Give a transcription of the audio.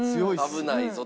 危ないぞと。